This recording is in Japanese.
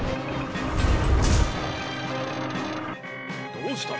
どうした！？